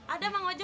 ada bang ojo